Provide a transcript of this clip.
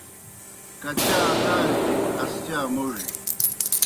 کچا آݩئزی، اسچا موڙیْ